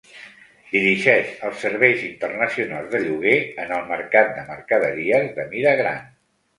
Dirigeix els serveis internacionals de lloguer en el mercat de mercaderies de mida gran.